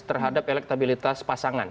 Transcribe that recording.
terhadap elektabilitas pasangan